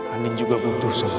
anjing juga butuh semua